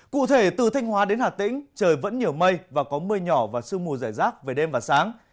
cụ thể từ thanh hóa đến hà tĩnh trời vẫn nhiều mây và có mưa nhỏ và sương mù giải rác về đêm và sáng